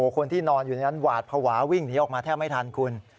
คนที่นอนอยู่ในนั้นหวาดภาวะวิ่งหนีออกมาแทบไม่ทันคุณ